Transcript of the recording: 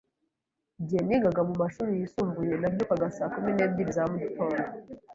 Igihe nigaga mumashuri yisumbuye, nabyukaga saa kumi n'ebyiri za mugitondo.